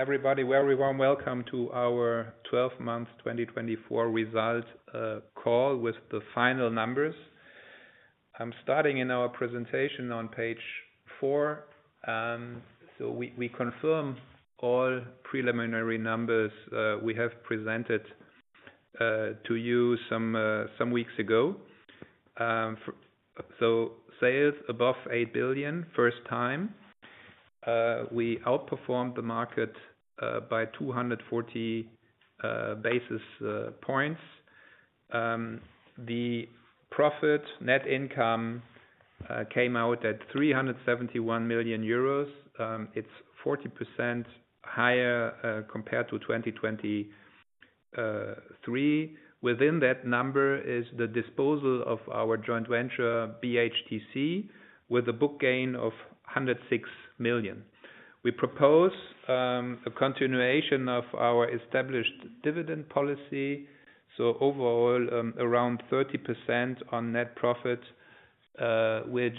Everybody, very warm welcome to our 12-month 2024 result call with the final numbers. I'm starting in our presentation on page four. We confirm all preliminary numbers we have presented to you some weeks ago. Sales above 8 billion, first time. We outperformed the market by 240 basis points. The profit, net income, came out at 371 million euros. It's 40% higher compared to 2023. Within that number is the disposal of our joint venture, BHTC, with a book gain of 106 million. We propose a continuation of our established dividend policy, so overall around 30% on net profit, which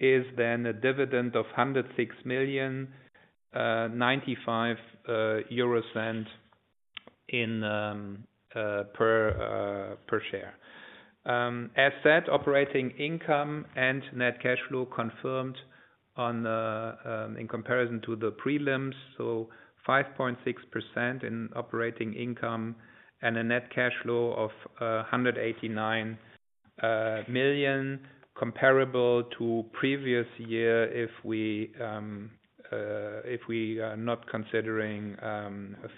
is then a dividend of 106.95 euro per share. As said, operating income, and net cash flow confirmed in comparison to the prelims, 5.6% in operating income and a net cash flow of 189 million, comparable to previous year if we are not considering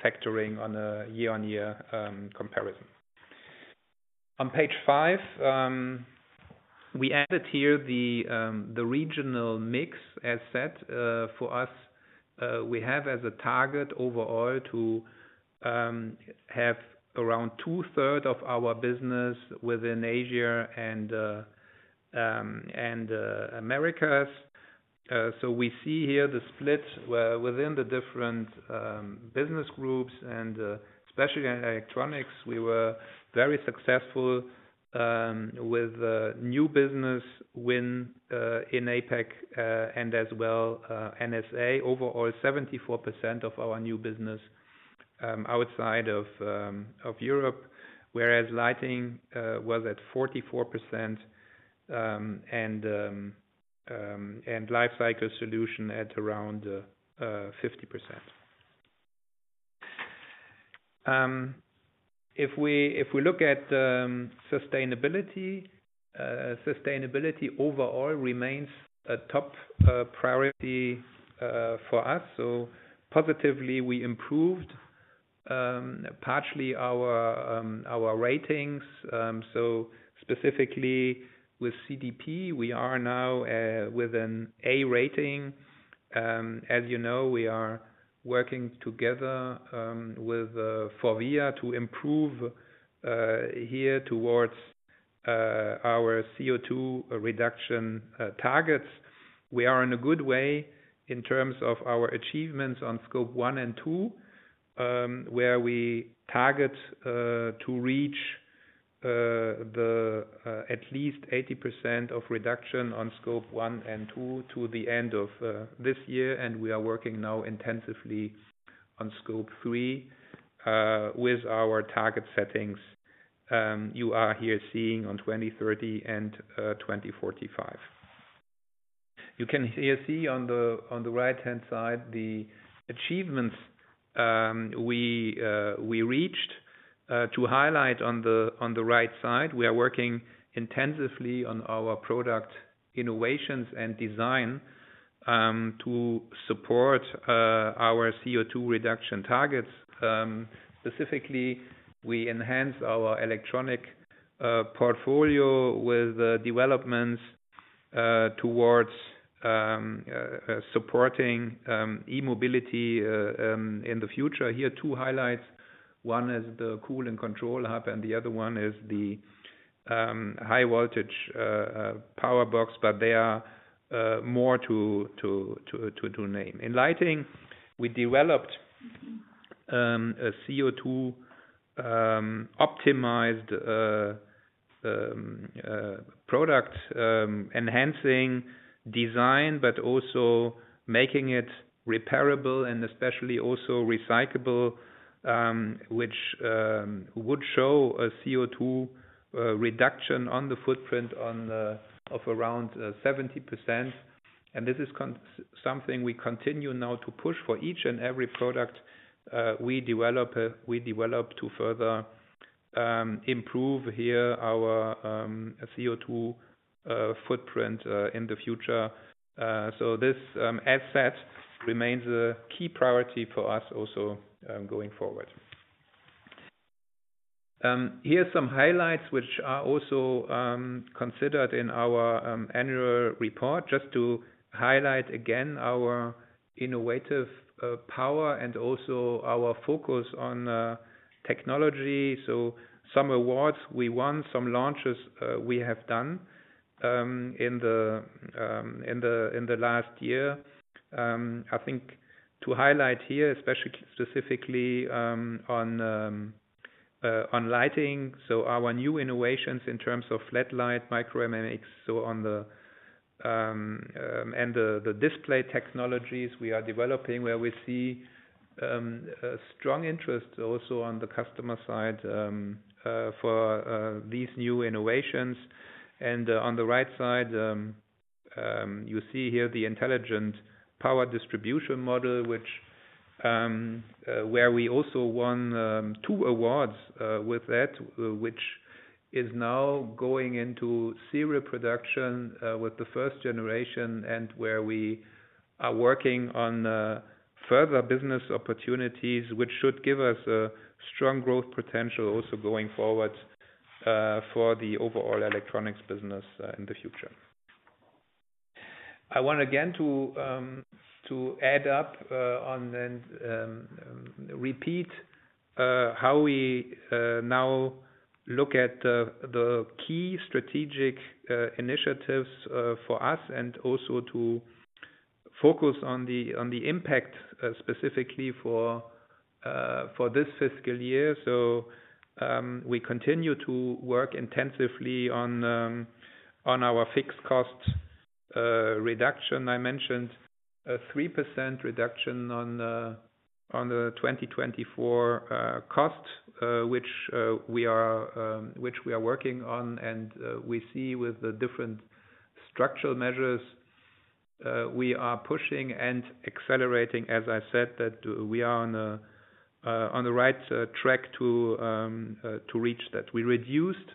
factoring on a year-on-year comparison. On page five, we added here the regional mix asset. For us, we have as a target overall to have around two-thirds of our business within Asia and Americas. We see here the split within the different business groups, and especially in electronics, we were very successful with new business win in APEC and as well NSA. Overall, 74% of our new business outside of Europe, whereas lighting was at 44% and life cycle solution at around 50%. If we look at sustainability, sustainability overall remains a top priority for us. Positively, we improved partially our ratings. Specifically with CDP, we are now with an A rating. As you know, we are working together with FORVIA to improve here towards our CO2 reduction targets. We are in a good way in terms of our achievements on Scope 1 and 2, where we target to reach at least 80% of reduction on Scope 1 and 2 to the end of this year. We are working now intensively on Scope 3 with our target settings you are here seeing on 2030 and 2045. You can here see on the right-hand side the achievements we reached. To highlight on the right side, we are working intensively on our product innovations and design to support our CO2 reduction targets. Specifically, we enhanced our electronic portfolio with developments towards supporting e-mobility in the future. Here are two highlights. One is the Cooling Control Hub, and the other one is the High Voltage PowerBox, but they are more to name. In lighting, we developed a CO2-optimized product enhancing design, but also making it repairable and especially also recyclable, which would show a CO2 reduction on the footprint of around 70%. This is something we continue now to push for each and every product we develop to further improve here our CO2 footprint in the future. This asset remains a key priority for us also going forward. Here are some highlights which are also considered in our annual report, just to highlight again our innovative power and also our focus on technology. Some awards we won, some launches we have done in the last year. I think to highlight here, especially specifically on lighting, our new innovations in terms of FlatLight, Micro-MX, and the display technologies we are developing, where we see strong interest also on the customer side for these new innovations. On the right side, you see here the Intelligent Power Distribution Module, where we also won two awards with that, which is now going into serial production with the first generation, and where we are working on further business opportunities, which should give us a strong growth potential also going forward for the overall electronics business in the future. I want again to add up and repeat how we now look at the key strategic initiatives for us and also to focus on the impact specifically for this fiscal year. We continue to work intensively on our fixed cost reduction. I mentioned a 3% reduction on the 2024 cost, which we are working on, and we see with the different structural measures we are pushing and accelerating, as I said, that we are on the right track to reach that. We reduced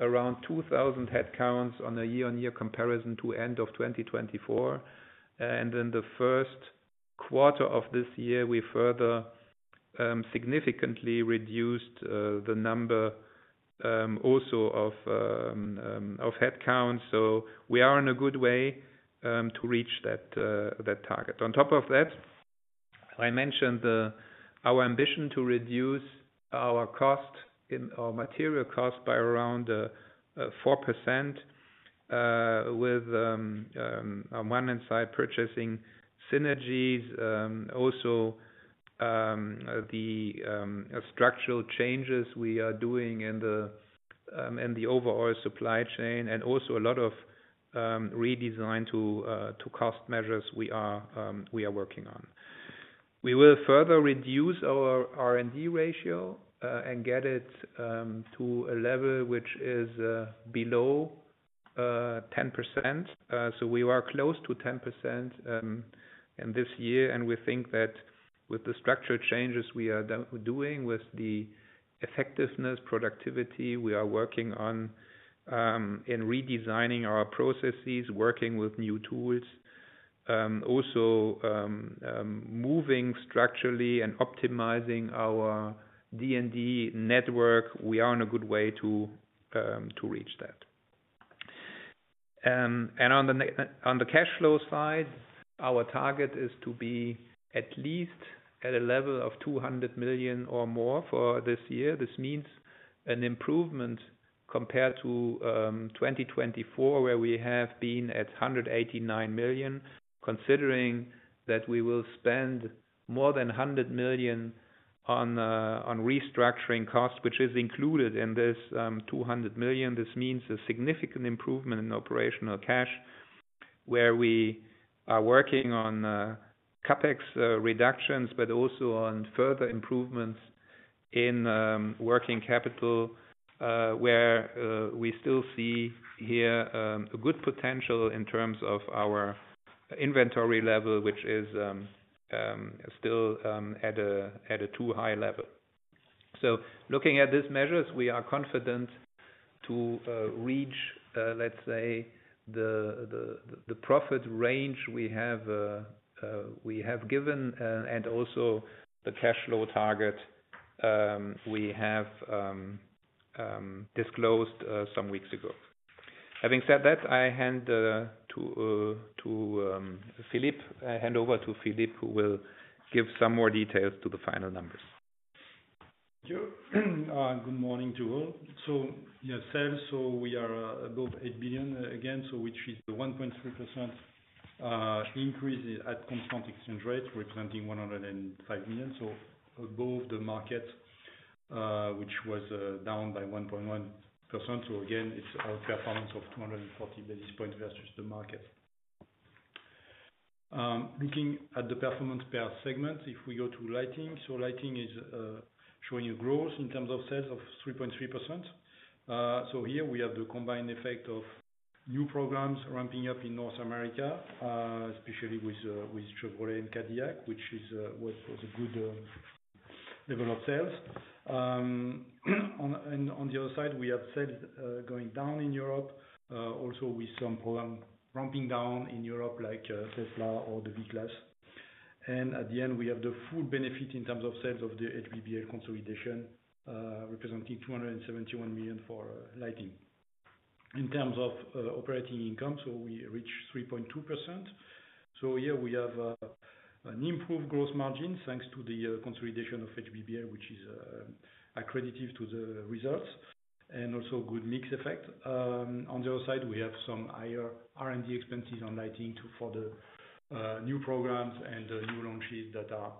around 2,000 headcounts on a year-on-year comparison to end of 2024. In the first quarter of this year, we further significantly reduced the number also of headcounts. We are in a good way to reach that target. On top of that, I mentioned our ambition to reduce our material cost by around 4% with one-hand side purchasing synergies, also the structural changes we are doing in the overall supply chain, and also a lot of redesign to cost measures we are working on. We will further reduce our R&D ratio and get it to a level which is below 10%. We are close to 10% in this year. We think that with the structural changes we are doing with the effectiveness, productivity, we are working on redesigning our processes, working with new tools, also moving structurally and optimizing our R&D network. We are in a good way to reach that. On the cash flow side, our target is to be at least at a level of 200 million or more for this year. This means an improvement compared to 2024, where we have been at 189 million, considering that we will spend more than 100 million on restructuring costs, which is included in this 200 million. This means a significant improvement in operational cash, where we are working on CapEx reductions, but also on further improvements in working capital, where we still see here a good potential in terms of our inventory level, which is still at a too high level. Looking at these measures, we are confident to reach, let's say, the profit range we have given and also the cash flow target we have disclosed some weeks ago. Having said that, I hand to Philippe, I hand over to Philippe, who will give some more details to the final numbers. Thank you. Good morning to all. Yes, we are above 8 billion again, which is a 1.3% increase at constant exchange rate, representing 105 million. Above the market, which was down by 1.1%. Again, it's our performance of 240 basis points versus the market. Looking at the performance per segment, if we go to lighting, lighting is showing a growth in terms of sales of 3.3%. Here we have the combined effect of new programs ramping up in North America, especially with Chevrolet and Cadillac, which was a good level of sales. On the other side, we have sales going down in Europe, also with some programs ramping down in Europe, like Tesla or the V-Class. At the end, we have the full benefit in terms of sales of the HBBL consolidation, representing 271 million for lighting. In terms of operating income, we reach 3.2%. Here we have an improved gross margin thanks to the consolidation of HBBL, which is accredited to the results and also good mix effect. On the other side, we have some higher R&D expenses on lighting for the new programs and new launches that are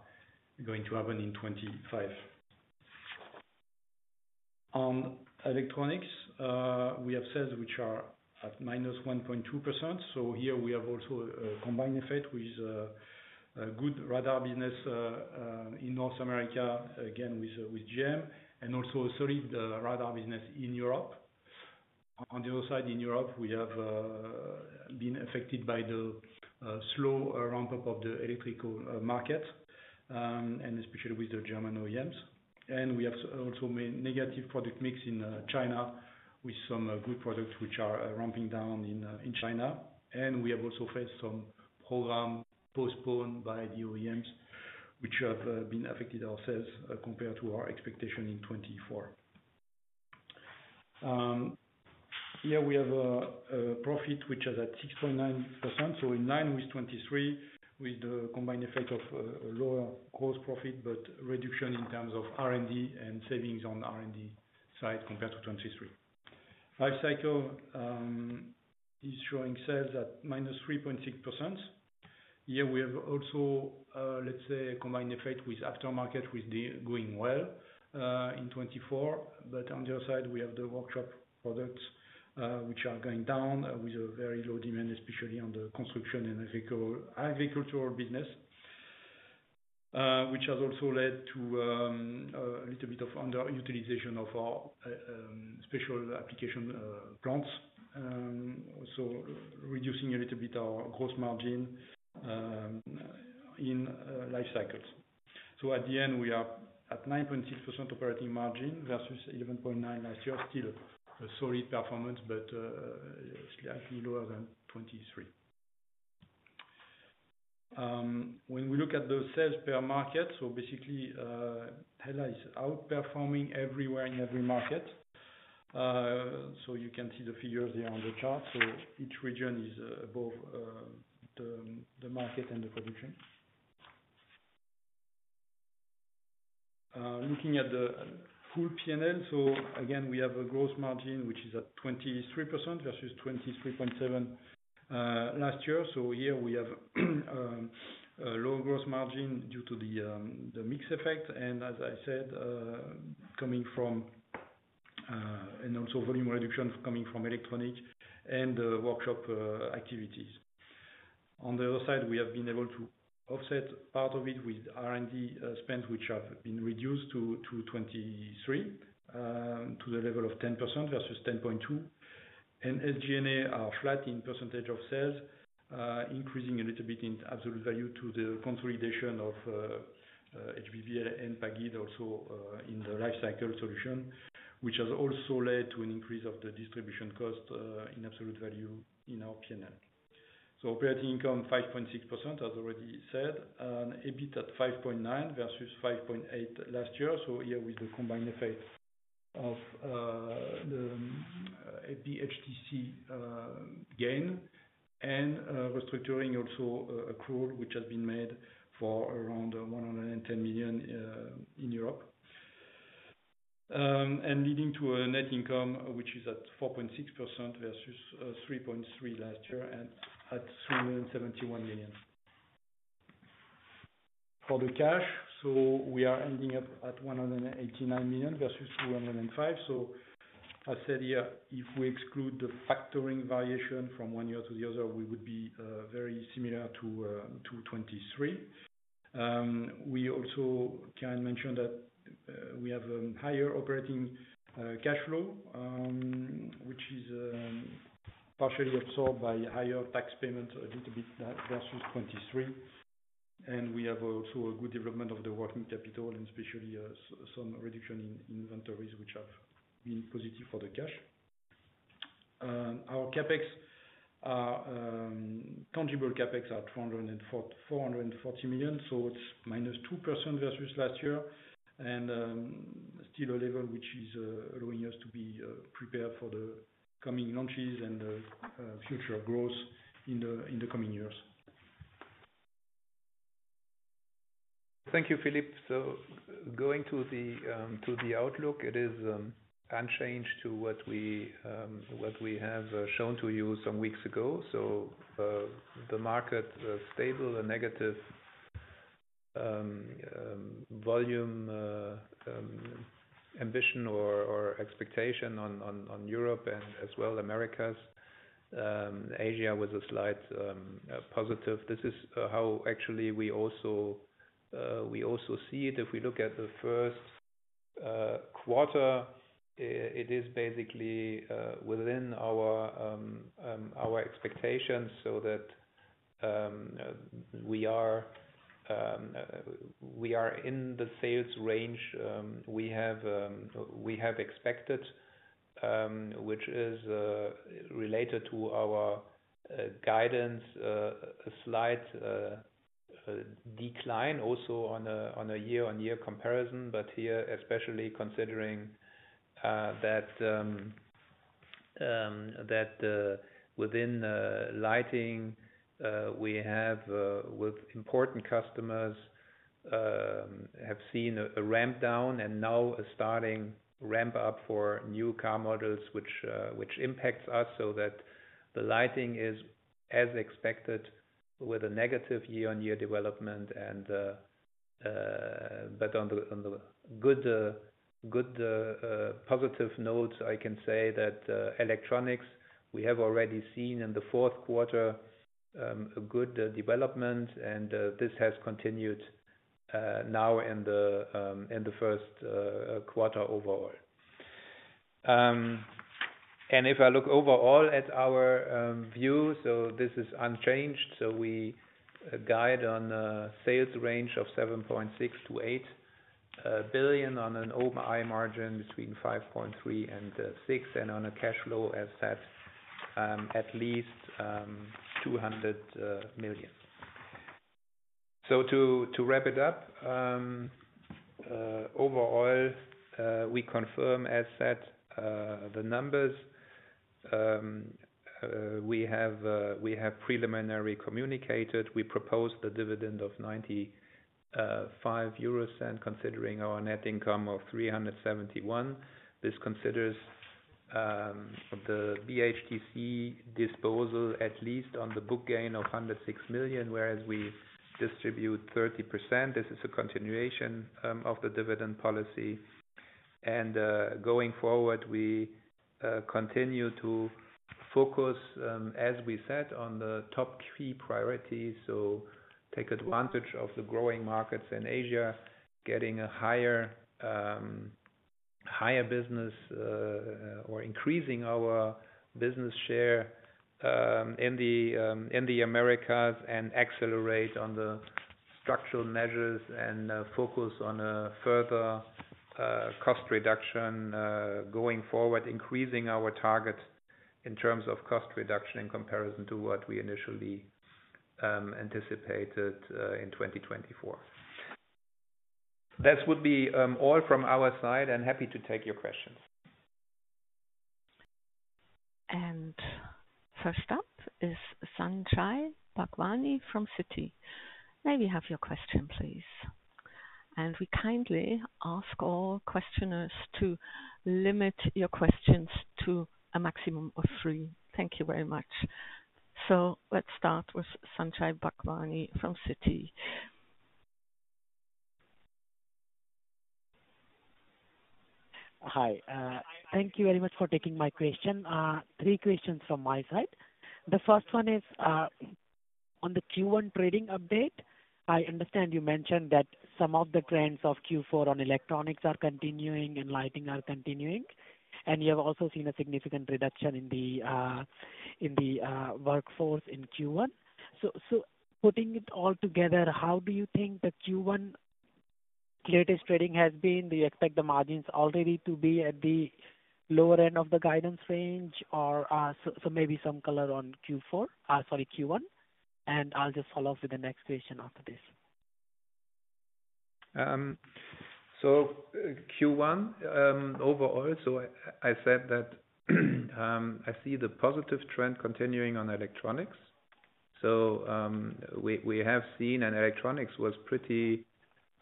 going to happen in 2025. On electronics, we have sales which are at -1.2%. Here we have also a combined effect with good radar business in North America, again with GM, and also a solid radar business in Europe. On the other side, in Europe, we have been affected by the slow ramp-up of the electrical market, especially with the German OEMs. We have also negative product mix in China with some good products which are ramping down in China. We have also faced some programs postponed by the OEMs, which have affected our sales compared to our expectation in 2024. Here we have a profit which is at 6.9%. It is in line with 2023, with the combined effect of lower gross profit, but reduction in terms of R&D and savings on the R&D side compared to 2023. Lifecycle is showing sales at -3.6%. Here we have also, let's say, a combined effect with aftermarket going well in 2024. On the other side, we have the workshop products which are going down with a very low demand, especially on the construction and agricultural business, which has also led to a little bit of underutilization of our special application plants, also reducing a little bit our gross margin in lifecycle. At the end, we are at 9.6% operating margin versus 11.9% last year, still a solid performance, but slightly lower than 2023. When we look at the sales per market, basically, HELLA is outperforming everywhere in every market. You can see the figures here on the chart. Each region is above the market and the production. Looking at the full P&L, again, we have a gross margin which is at 23% versus 23.7% last year. Here we have a low gross margin due to the mix effect, and as I said, coming from and also volume reduction coming from electronic and workshop activities. On the other side, we have been able to offset part of it with R&D spend, which has been reduced to 2023 to the level of 10% versus 10.2%. SG&A are flat in percentage of sales, increasing a little bit in absolute value due to the consolidation of HBBL and PAGID also in the lifecycle solution, which has also led to an increase of the distribution cost in absolute value in our P&L. Operating income 5.6%, as already said, and EBIT at 5.9% versus 5.8% last year. Here with the combined effect of the BHTC gain and restructuring also accrual, which has been made for around 110 million in Europe, and leading to a net income which is at 4.6% versus 3.3% last year at 371 million. For the cash, we are ending up at 189 million versus 205 million. As I said here, if we exclude the factoring variation from one year to the other, we would be very similar to 2023. We also can mention that we have a higher operating cash flow, which is partially absorbed by higher tax payments a little bit versus 2023. We have also a good development of the working capital and especially some reduction in inventories, which have been positive for the cash. Our tangible CapEx are 440 million. It is minus 2% versus last year and still a level which is allowing us to be prepared for the coming launches and future growth in the coming years. Thank you, Philippe. Going to the outlook, it is unchanged to what we have shown to you some weeks ago. The market is stable, a negative volume ambition or expectation on Europe and as well Americas. Asia was a slight positive. This is how actually we also see it. If we look at the first quarter, it is basically within our expectations so that we are in the sales range we have expected, which is related to our guidance, a slight decline also on a year-on-year comparison. Here, especially considering that within lighting, we have with important customers have seen a ramp down and now a starting ramp up for new car models, which impacts us so that the lighting is as expected with a negative year-on-year development. On the good positive note, I can say that electronics, we have already seen in the fourth quarter a good development, and this has continued now in the first quarter overall. If I look overall at our view, this is unchanged. We guide on a sales range of 7.6 billion-8 billion on an over-eye margin between 5.3% and 6%, and on a cash flow, as said, at least 200 million. To wrap it up, overall, we confirm, as said, the numbers. We have preliminarily communicated. We propose the dividend of 0.95 euros, considering our net income of 371 million. This considers the BHTC disposal at least on the book gain of 106 million, whereas we distribute 30%. This is a continuation of the dividend policy. Going forward, we continue to focus, as we said, on the top key priorities. To take advantage of the growing markets in Asia, getting a higher business or increasing our business share in the Americas and accelerate on the structural measures and focus on a further cost reduction going forward, increasing our target in terms of cost reduction in comparison to what we initially anticipated in 2024. That would be all from our side. I'm happy to take your questions. First up is Sanjay Bhagwani from Citi. May we have your question, please? We kindly ask all questioners to limit your questions to a maximum of three. Thank you very much. Let's start with Sanjay Bhagwani from Citi. Hi. Thank you very much for taking my question. Three questions from my side. The first one is on the Q1 trading update. I understand you mentioned that some of the trends of Q4 on electronics are continuing and lighting are continuing. You have also seen a significant reduction in the workforce in Q1. Putting it all together, how do you think the Q1 latest trading has been? Do you expect the margins already to be at the lower end of the guidance range? Maybe some color on Q4, sorry, Q1. I'll just follow up with the next question after this. Q1 overall, I said that I see the positive trend continuing on electronics. We have seen, and electronics was pretty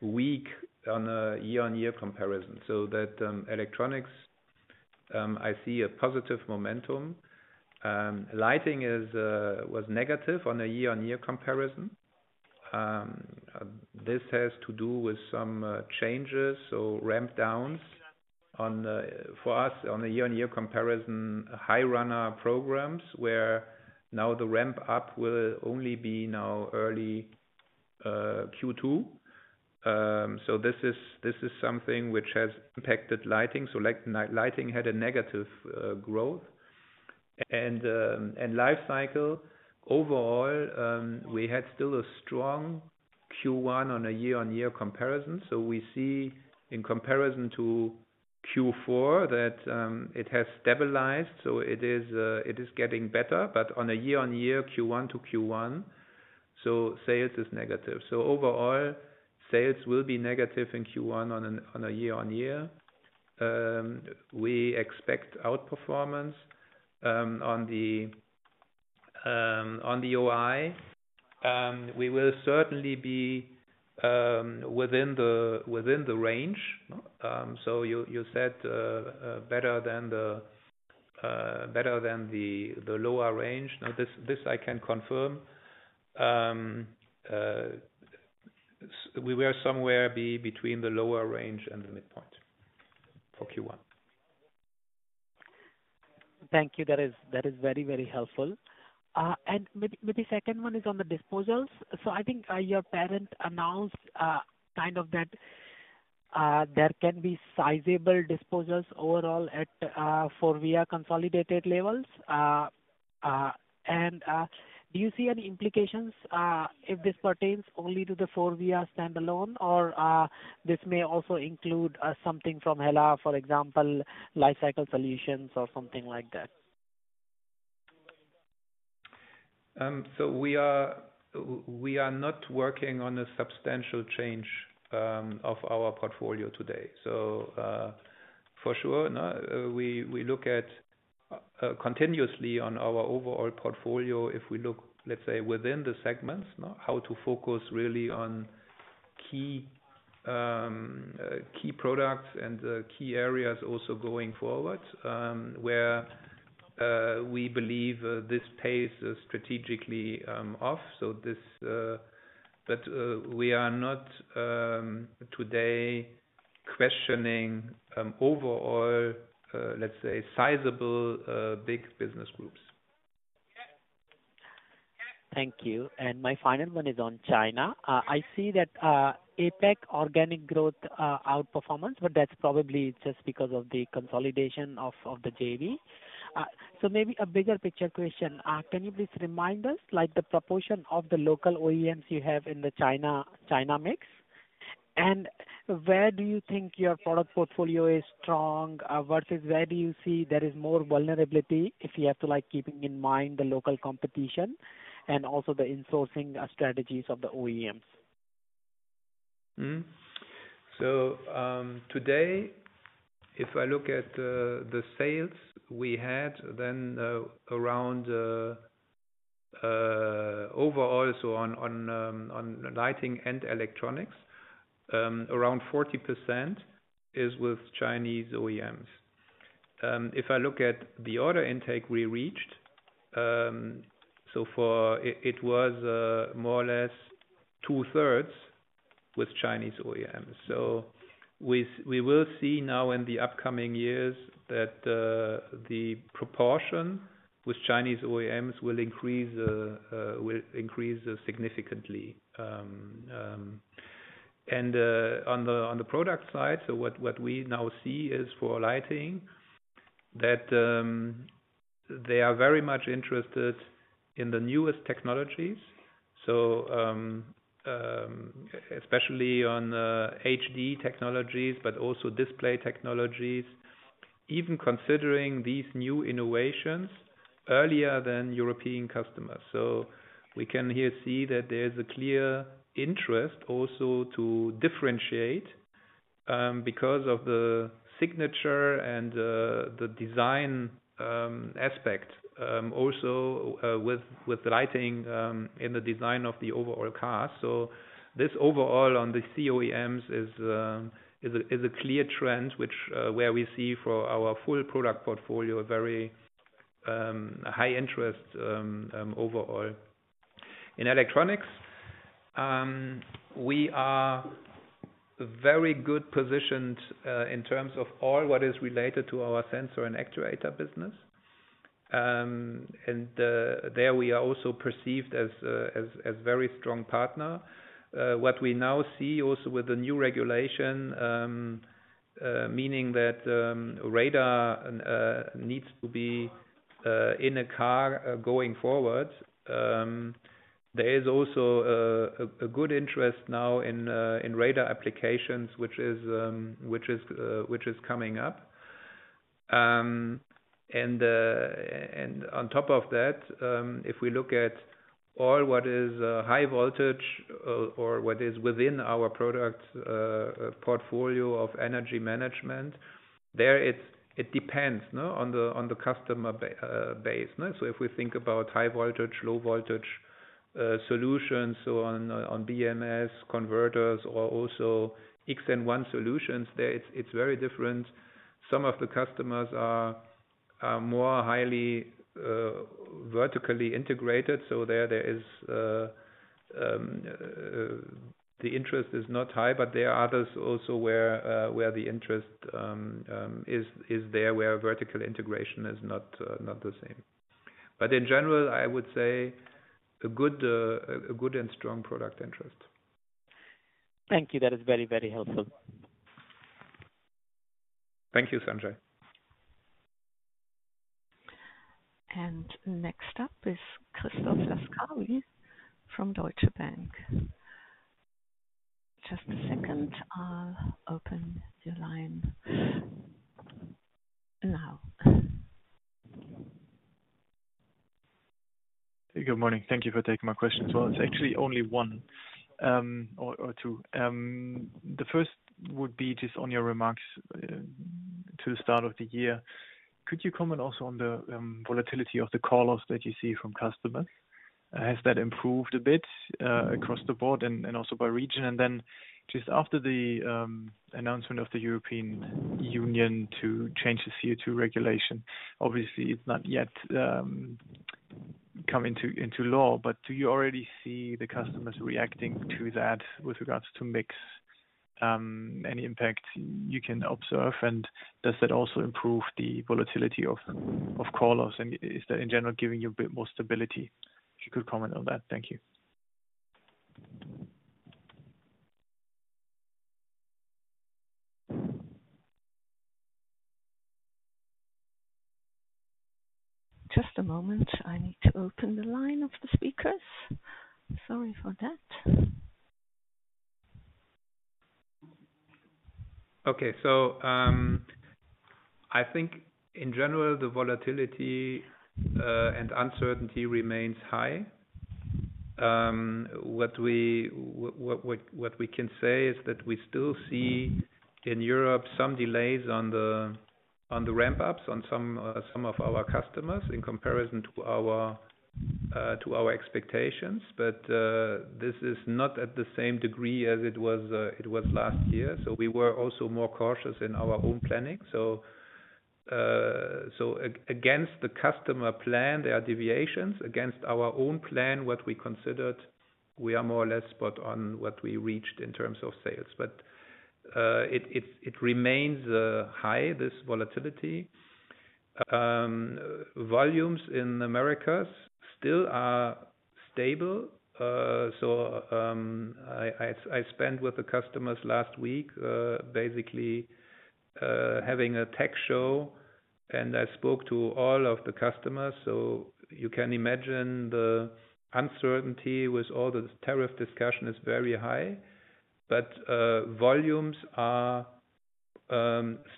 weak on a year-on-year comparison. That electronics, I see a positive momentum. Lighting was negative on a year-on-year comparison. This has to do with some changes, ramp-downs for us on a year-on-year comparison, high runner programs where now the ramp-up will only be now early Q2. This is something which has impacted lighting. Lighting had a negative growth. Life cycle, overall, we had still a strong Q1 on a year-on-year comparison. We see in comparison to Q4 that it has stabilized. It is getting better. On a year-on-year Q1 to Q1, sales is negative. Overall, sales will be negative in Q1 on a year-on-year. We expect outperformance on the OI. We will certainly be within the range. You said better than the lower range. This I can confirm. We were somewhere between the lower range and the midpoint for Q1. Thank you. That is very, very helpful. Maybe the second one is on the disposals. I think your parent announced kind of that there can be sizable disposals overall for FORVIA consolidated levels. Do you see any implications if this pertains only to the FORVIA standalone, or this may also include something from HELLA, for example, lifecycle solutions or something like that? We are not working on a substantial change of our portfolio today. For sure, we look at continuously on our overall portfolio if we look, let's say, within the segments, how to focus really on key products and key areas also going forward where we believe this pays strategically off. We are not today questioning overall, let's say, sizable big business groups. Thank you. My final one is on China. I see that APEC organic growth outperformance, but that's probably just because of the consolidation of the JV. Maybe a bigger picture question. Can you please remind us the proportion of the local OEMs you have in the China mix? Where do you think your product portfolio is strong versus where do you see there is more vulnerability if you have to keep in mind the local competition and also the insourcing strategies of the OEMs? Today, if I look at the sales we had, then around overall, on lighting and electronics, around 40% is with Chinese OEMs. If I look at the order intake we reached, it was more or less two-thirds with Chinese OEMs. We will see now in the upcoming years that the proportion with Chinese OEMs will increase significantly. On the product side, what we now see is for lighting that they are very much interested in the newest technologies, especially on HD technologies, but also display technologies, even considering these new innovations earlier than European customers. We can here see that there is a clear interest also to differentiate because of the signature and the design aspect also with the lighting in the design of the overall car. Overall on the OEMs, there is a clear trend where we see for our full product portfolio a very high interest overall. In electronics, we are very well positioned in terms of all that is related to our sensor and actuator business. There we are also perceived as a very strong partner. What we now see also with the new regulation, meaning that radar needs to be in a car going forward, there is also a good interest now in radar applications, which is coming up. On top of that, if we look at all that is high voltage or what is within our product portfolio of energy management, there it depends on the customer base. If we think about high voltage, low voltage solutions, on BMS converters or also X and 1 solutions, there it is very different. Some of the customers are more highly vertically integrated. There the interest is not high, but there are others also where the interest is there where vertical integration is not the same. In general, I would say a good and strong product interest. Thank you. That is very, very helpful. Thank you, Sanjay. Next up is Christoph Laskawi from Deutsche Bank. Just a second. I'll open the line now. Good morning. Thank you for taking my question as well. It's actually only one or two. The first would be just on your remarks to the start of the year. Could you comment also on the volatility of the call-offs that you see from customers? Has that improved a bit across the board and also by region? After the announcement of the European Union to change the CO2 regulation, obviously, it's not yet come into law. Do you already see the customers reacting to that with regards to mix? Any impact you can observe? Does that also improve the volatility of call-offs? Is that in general giving you a bit more stability? If you could comment on that, thank you. Just a moment. I need to open the line of the speakers. Sorry for that. Okay. I think in general, the volatility and uncertainty remains high. What we can say is that we still see in Europe some delays on the ramp-ups on some of our customers in comparison to our expectations. This is not at the same degree as it was last year. We were also more cautious in our own planning. Against the customer plan, there are deviations. Against our own plan, what we considered, we are more or less spot on what we reached in terms of sales. It remains high, this volatility. Volumes in the Americas still are stable. I spent with the customers last week basically having a tech show, and I spoke to all of the customers. You can imagine the uncertainty with all the tariff discussion is very high. Volumes are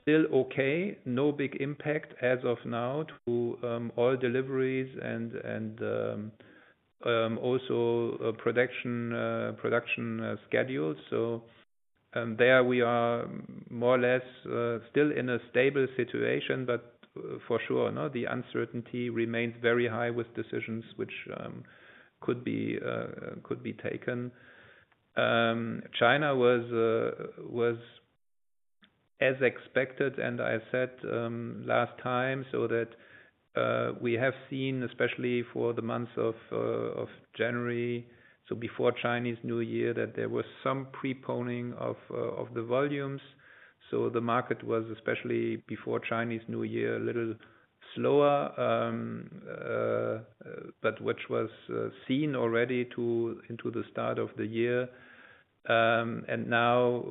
still okay, no big impact as of now to all deliveries and also production schedules. There we are more or less still in a stable situation. For sure, the uncertainty remains very high with decisions which could be taken. China was as expected, and I said last time that we have seen, especially for the months of January, so before Chinese New Year, that there was some preponing of the volumes. The market was, especially before Chinese New Year, a little slower, but which was seen already into the start of the year. Now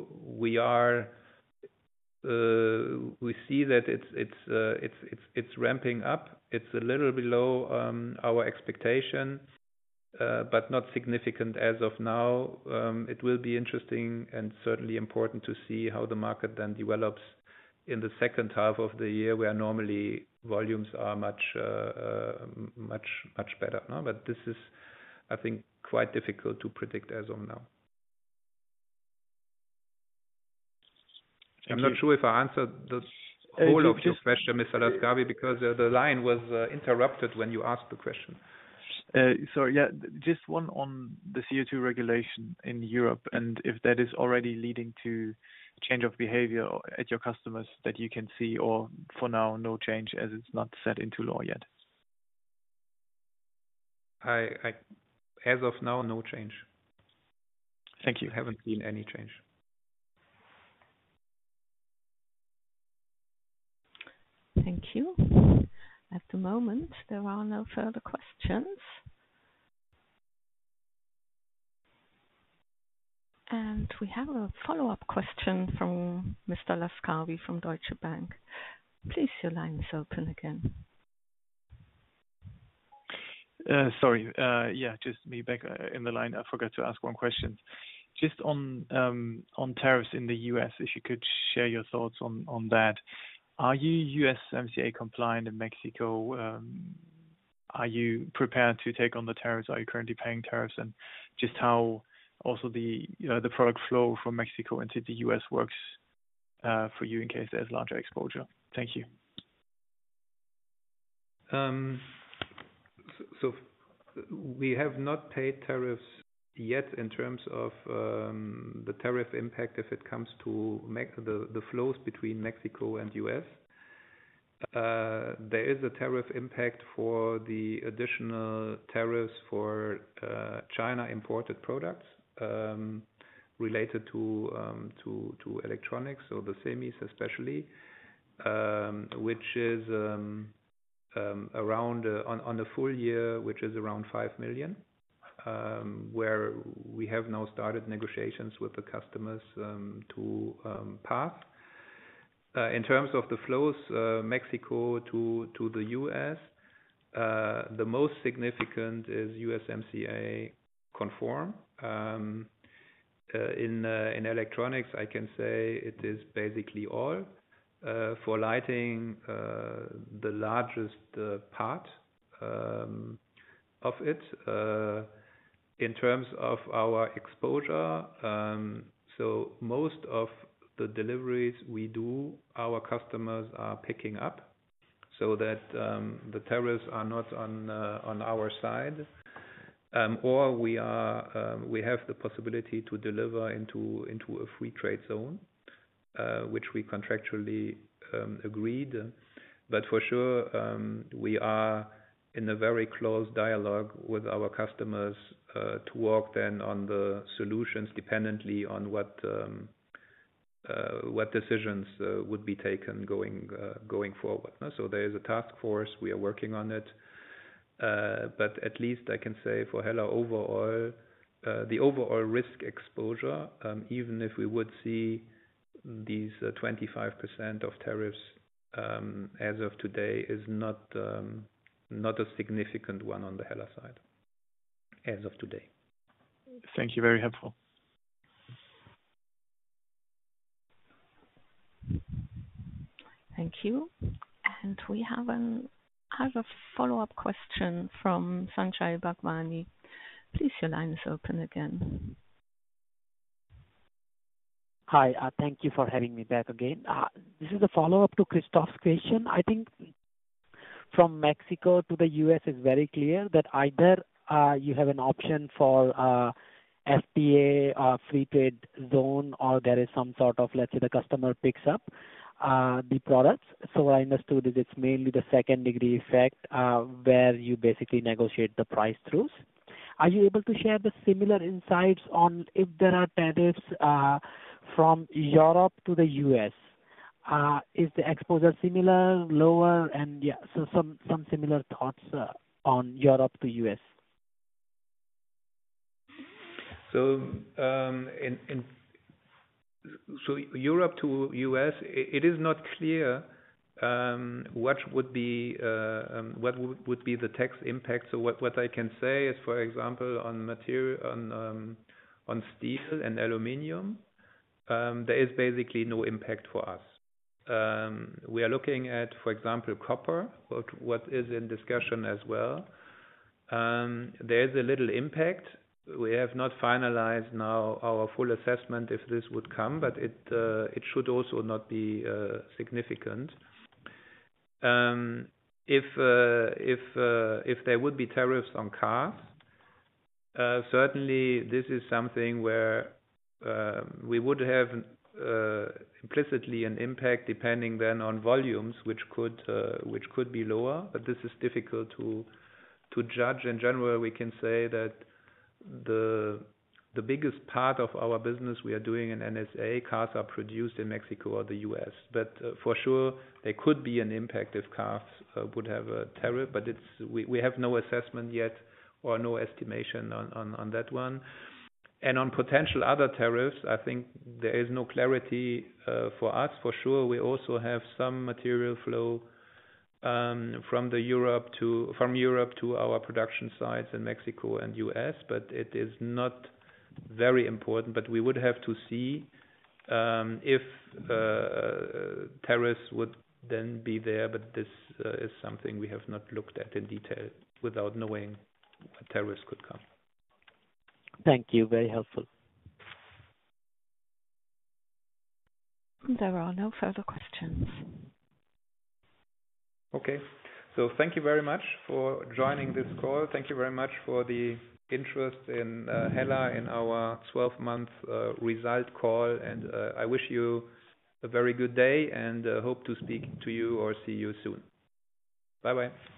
we see that it is ramping up. It is a little below our expectation, but not significant as of now. It will be interesting and certainly important to see how the market then develops in the second half of the year where normally volumes are much better. This is, I think, quite difficult to predict as of now. I'm not sure if I answered the whole of your question, Mr. Laskawi, because the line was interrupted when you asked the question. Sorry. Yeah. Just one on the CO2 regulation in Europe and if that is already leading to change of behavior at your customers that you can see or for now no change as it's not set into law yet. As of now, no change. Thank you. I haven't seen any change. Thank you. At the moment, there are no further questions. We have a follow-up question from Mr. Laskawi from Deutsche Bank. Please, your line is open again. Sorry. Yeah. Just me back in the line. I forgot to ask one question. Just on tariffs in the U.S., if you could share your thoughts on that. Are you USMCA compliant in Mexico? Are you prepared to take on the tariffs? Are you currently paying tariffs? Just how also the product flow from Mexico into the U.S. works for you in case there's larger exposure? Thank you. We have not paid tariffs yet in terms of the tariff impact if it comes to the flows between Mexico and the U.S. There is a tariff impact for the additional tariffs for China-imported products related to electronics, so the semis especially, which is around, on a full year, which is around 5 million, where we have now started negotiations with the customers to pass. In terms of the flows Mexico to the U.S., the most significant is USMCA conform. In electronics, I can say it is basically all. For lighting, the largest part of it. In terms of our exposure, most of the deliveries we do, our customers are picking up so that the tariffs are not on our side. Or we have the possibility to deliver into a free trade zone, which we contractually agreed. For sure, we are in a very close dialogue with our customers to work then on the solutions dependently on what decisions would be taken going forward. There is a task force. We are working on it. At least I can say for HELLA overall, the overall risk exposure, even if we would see these 25% of tariffs as of today, is not a significant one on the HELLA side as of today. Thank you. Very helpful. Thank you. We have another follow-up question from Sanjay Bhagwani. Please, your line is open again. Hi. Thank you for having me back again. This is a follow-up to Christoph's question. I think from Mexico to the U.S., it's very clear that either you have an option for FTA or free trade zone, or there is some sort of, let's say, the customer picks up the products. So what I understood is it's mainly the second-degree effect where you basically negotiate the price through. Are you able to share the similar insights on if there are tariffs from Europe to the U.S.? Is the exposure similar, lower, and yeah, some similar thoughts on Europe to U.S.? Europe to U.S., it is not clear what would be the tax impact. What I can say is, for example, on steel and aluminum, there is basically no impact for us. We are looking at, for example, copper, what is in discussion as well. There is a little impact. We have not finalized now our full assessment if this would come, but it should also not be significant. If there would be tariffs on cars, certainly this is something where we would have implicitly an impact depending then on volumes, which could be lower. This is difficult to judge. In general, we can say that the biggest part of our business we are doing in NSA, cars are produced in Mexico or the U.S. For sure, there could be an impact if cars would have a tariff. We have no assessment yet or no estimation on that one. On potential other tariffs, I think there is no clarity for us. For sure, we also have some material flow from Europe to our production sites in Mexico and U.S., but it is not very important. We would have to see if tariffs would then be there. This is something we have not looked at in detail without knowing what tariffs could come. Thank you. Very helpful. There are no further questions. Thank you very much for joining this call. Thank you very much for the interest in HELLA in our 12-month result call. I wish you a very good day and hope to speak to you or see you soon. Bye-bye.